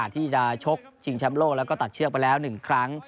ที่จะชกชิงแชมป์โลกแล้วก็ตัดเชือกไปแล้ว๑ครั้ง